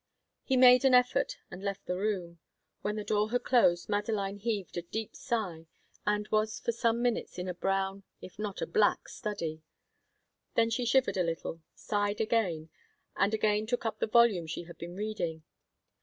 He made an effort and left the room. When the door had closed, Madeline heaved a deep sigh, and was for some minutes in a brown, if not a black, study. Then she shivered a little, sighed again, and again took up the volume she had been reading.